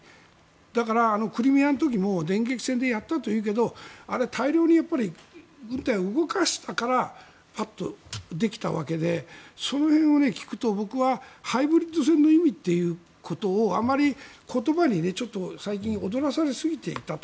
だからクリミアの時も電撃戦でやったというけどあれは大量に部隊を動かしたからぱっとできたわけでその辺を聞くと僕はハイブリッド戦の意味ということをあまり言葉に最近、踊らされすぎていたと。